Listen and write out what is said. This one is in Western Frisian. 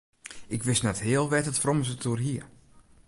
Ik wist net heal wêr't it frommes it oer hie.